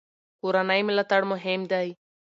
کورنۍ ملاتړ مهم دی.